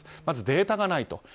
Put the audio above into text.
まずデータがないと。